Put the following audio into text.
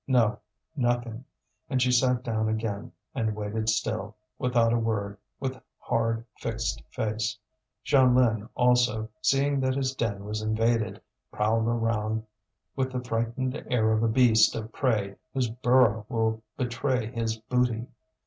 No, nothing! And she sat down again, and waited still, without a word, with hard, fixed face. Jeanlin also, seeing that his den was invaded, prowled around with the frightened air of a beast of prey whose burrow will betray his booty.